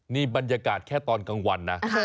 นี่บรรยากาศแค่ตอนกลางวันนะ